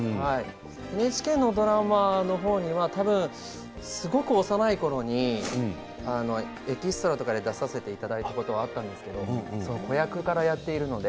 ＮＨＫのドラマの方には多分すごく幼いころにエキストラとかで出させていただいたことはあったんですけれど子役からやっているので。